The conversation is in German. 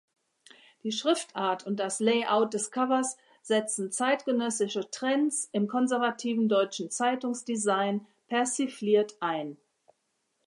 Die Schriftart und das Layout des Covers setzten zeitgenössische Trends im konservativen deutschen Zeitungsdesign persifliert ein.